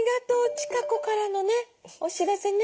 千香子からのねお知らせね。